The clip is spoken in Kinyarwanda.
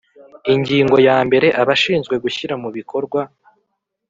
Ingingo ya mbere Abashinzwe gushyira mu bikorwa